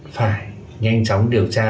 phải nhanh chóng điều tra